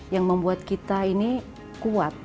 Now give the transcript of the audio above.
yang membuat kita ini kuat